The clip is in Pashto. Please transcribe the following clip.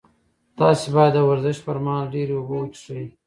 تاسي باید د ورزش پر مهال ډېرې اوبه وڅښئ.